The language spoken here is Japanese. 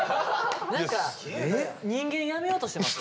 何か人間やめようとしてます？